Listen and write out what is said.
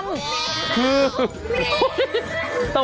คือโห้ย